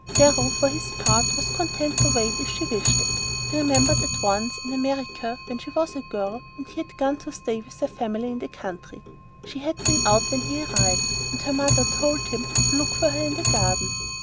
Darrow, for his part, was content to wait if she wished it. He remembered that once, in America, when she was a girl, and he had gone to stay with her family in the country, she had been out when he arrived, and her mother had told him to look for her in the garden.